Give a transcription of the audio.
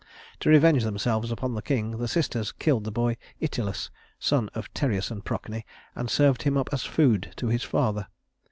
To revenge themselves upon the king, the sisters killed the boy Itylus (son of Tereus and Procne) and served him up as food to his father.